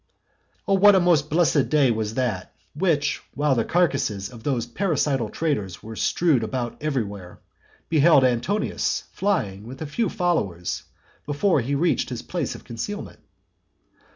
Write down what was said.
Oh what a most blessed day was that, which, while the carcases of those parricidal traitors were strewed about everywhere, beheld Antonius flying with a few followers, before he reached his place of concealment.